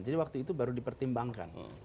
jadi waktu itu baru dipertimbangkan